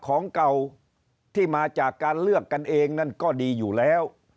ของเก่าที่มาจากการเลือกกันเองนั่นก็ดีอยู่แล้ว